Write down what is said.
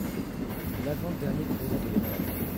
L'avant dernier coureur de l'étape.